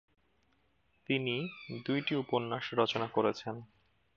তিনি দুইটি উপন্যাস রচনা করেছেন।